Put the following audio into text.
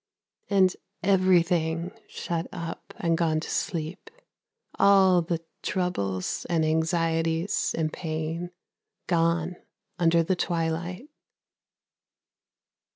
And everything shut up and gone to sleep, All the troubles and anxieties and pain Gone under the twilight.